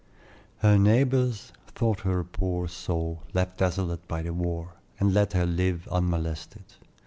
Her neighbors thought her a poor soul left desolate by the war, and let her live unmolested.